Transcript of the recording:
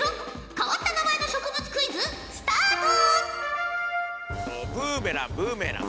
変わった名前の植物クイズスタート！